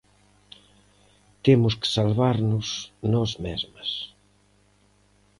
Temos que salvarnos nós mesmas.